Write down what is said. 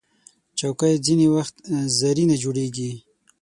چوکۍ ځینې وخت زرینه جوړیږي.